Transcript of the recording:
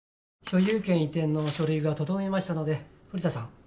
所有権移転の書類が整いましたので古田さん